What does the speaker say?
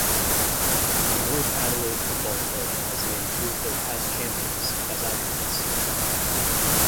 The North Adelaide Football Club has named two of their past champions as Icons.